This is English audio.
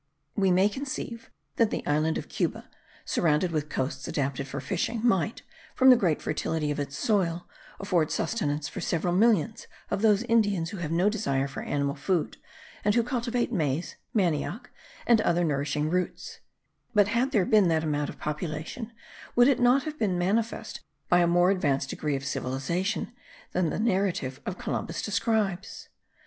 We may conceive that the island of Cuba, surrounded with coasts adapted for fishing, might, from the great fertility of its soil, afford sustenance for several millions of those Indians who have no desire for animal food, and who cultivate maize, manioc, and other nourishing roots; but had there been that amount of population, would it not have been manifest by a more advanced degree of civilization than the narrative of Columbus describes?